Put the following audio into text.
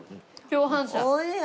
共犯者。